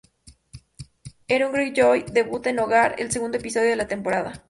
Euron Greyjoy debuta en "Hogar", el segundo episodio de la temporada.